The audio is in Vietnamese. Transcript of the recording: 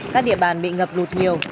các địa bàn bị ngập lụt nhiều